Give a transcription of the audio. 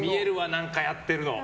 何かやってるの。